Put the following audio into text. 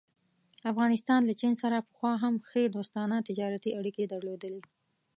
افغانستان له چین سره پخوا هم ښې دوستانه تجارتي اړيکې درلودلې.